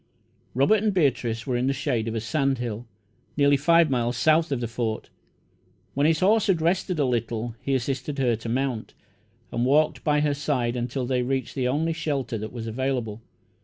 Robert and Beatrice were in the shade of a sand hill, nearly five miles south of the Fort. When his horse had rested a little, he assisted her to mount, and walked by her side until they reached the only shelter that was available.